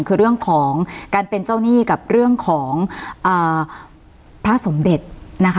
คือเรื่องของการเป็นเจ้าหนี้กับเรื่องของพระสมเด็จนะคะ